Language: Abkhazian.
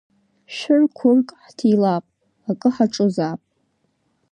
Шәыр-қәырк ҳҭилап, акы ҳаҿызаап.